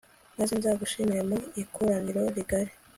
maze nzagushimirire mu ikoraniro rigari